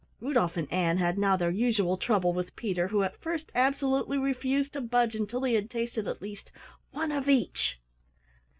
Rudolf and Ann had now their usual trouble with Peter who at first absolutely refused to budge until he had tasted at least "one of each".